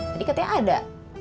tadi katanya ada